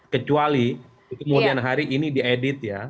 kecuali kemudian hari ini diedit ya